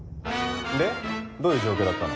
でどういう状況だったの？